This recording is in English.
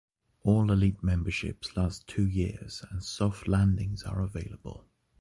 All elite memberships last two years and soft landings are available.